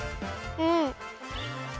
うん。